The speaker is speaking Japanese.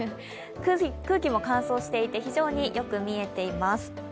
空気も乾燥していてとてもよく見えています。